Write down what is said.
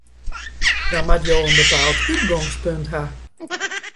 Dan moatte jo in bepaald útgongspunt ha.